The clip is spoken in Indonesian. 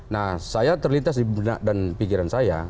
nah saya terlintas di benak dan pikiran saya